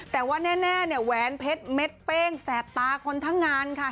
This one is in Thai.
แต่ว่าแน่เนี่ยแหวนเพชรเม็ดเป้งแสบตาคนทั้งงานค่ะ